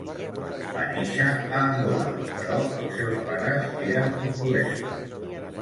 Va néixer a Angola però els seus pares eren portuguesos.